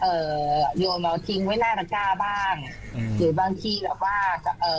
เอ่อโยมเราทิ้งไว้หน้าตระก้าบ้างอืมหรือบางทีแบบว่าเอ่อ